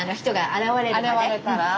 現れたら？